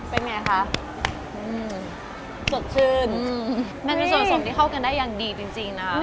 เป็นไงคะอืมสดชื่นมันเป็นส่วนสมที่เข้ากันได้อย่างดีจริงจริงนะคะ